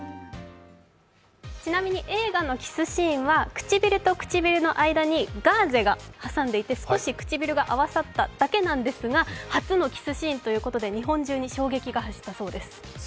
ちなみに映画のキスシーンはくちびるとくちびるの間にガーゼが挟んでいて、少し唇が合わさっただけなんですが、初のキスシーンということで日本中に衝撃が走ったそうです。